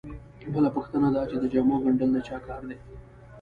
بله پوښتنه دا چې د جامو ګنډل د چا کار دی